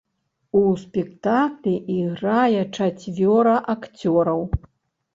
У спектаклі іграе чацвёра акцёраў.